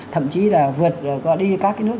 thậm chí là vượt đi các cái nước